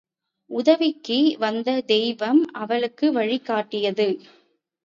உதவிக்கு வந்த தெய்வம் அவளுக்கு வழி காட்டியது.